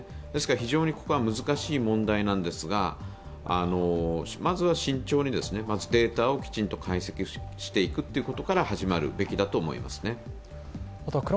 非常に難しい問題なんですがまず、慎重にデータをきちんと解析していくことから始まるべきだと思いますね。